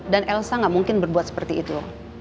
dan elsa gak mungkin berbuat seperti itu